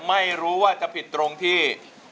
ไม่รู้ว่าจะผิดตรงที่